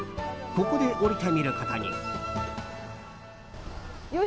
ここで降りてみることに。